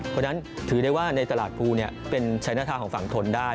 เพราะฉะนั้นถือได้ว่าในตลาดภูเป็นชัยหน้าทางของฝั่งทนได้